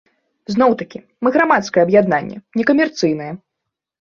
Зноў-такі, мы грамадскае аб'яднанне, некамерцыйнае.